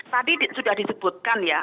tadi sudah disebutkan ya